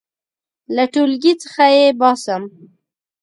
• له ټولګي څخه یې باسم.